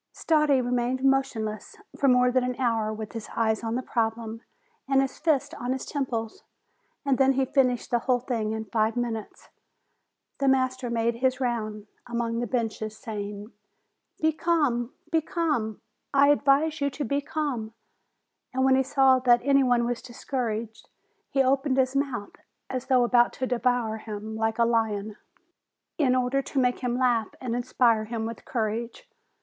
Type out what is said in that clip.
Stardi remained motionless for more than an hour, with his eyes on the problem, and his fists on his temples, and then he finished the whole thing in five minutes. The master made his round among the benches, saying: "Be calm ! Be calm ! I advise you to be calm !" And when he saw that any one was discouraged, he opened his mouth, as though about to devour him, like a lion, in order to make him laugh and inspire him with courage.